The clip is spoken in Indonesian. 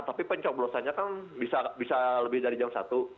tapi pencoblosannya kan bisa lebih dari jam satu